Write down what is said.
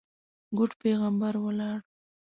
ګوډ پېغمبر ولاړ.